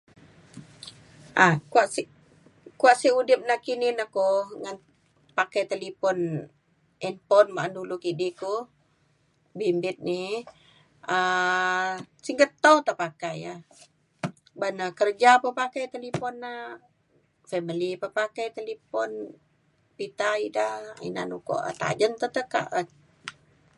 um kua si kua si udip na kini na ko ngan pakai telipon handphone ba'an dulu kini ko um bimbit ni um siget tau te pakai ya uben na kerja pe pakai talipon na family pe pakai talipon pita ida ina na ukok tajen te teka.